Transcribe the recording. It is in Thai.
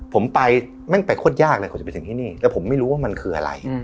ผมไปแม่งไปโคตรยากเลยกว่าจะไปถึงที่นี่แล้วผมไม่รู้ว่ามันคืออะไร